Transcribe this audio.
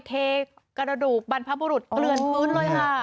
เทกระดูกบรรพบุรุษเกลือนพื้นเลยค่ะ